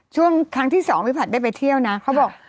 ช่วงครั้งที่สองพี่ผัดได้ไปเที่ยวนะเขาบอก